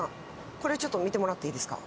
これちょっと見てもらっていいですか？